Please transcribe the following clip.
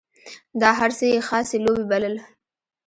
دا هر څه یې خاصې لوبې بلل.